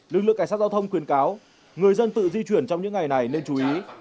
lực lượng cảnh sát giao thông khuyên cáo người dân tự di chuyển trong những ngày này nên chú ý